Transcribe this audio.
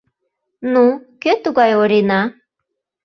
Ну, кӧ тугай Орина?